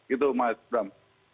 itu mas bram